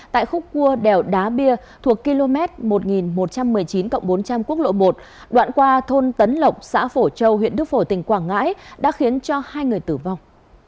tại khúc cua đèo đá bia thuộc km một nghìn một trăm một mươi chín bốn trăm linh quốc lộ một đoạn qua thôn tấn lộc xã phổ châu huyện đức phổ tỉnh quảng ngãi đã khiến cho hai người tử vong